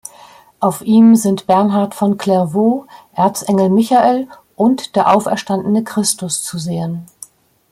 Auf ihm sind Bernhardt von Clairvaux, Erzengel Michael und der auferstandene Christus zu sehen.